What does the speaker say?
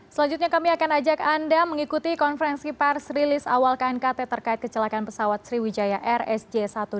selanjutnya kami akan ajak anda mengikuti konferensi pers rilis awal knkt terkait kecelakaan pesawat sriwijaya rsj satu ratus delapan puluh